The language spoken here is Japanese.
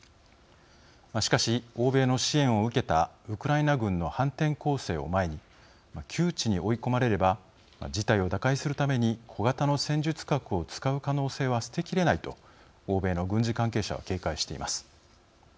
しかし、欧米の支援を受けたウクライナ軍の反転攻勢を前に窮地に追い込まれれば事態を打開するために小型の戦術核を使う可能性は捨て切れないと欧米の軍事関係者は警戒しています。